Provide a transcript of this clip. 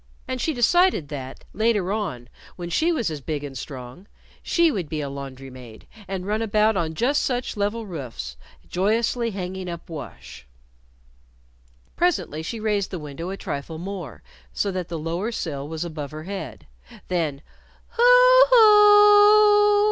And she decided that, later on, when she was as big and strong, she would be a laundry maid and run about on just such level roofs, joyously hanging up wash. Presently she raised the window a trifle more, so that the lower sill was above her head. Then, "Hoo hoo oo oo!"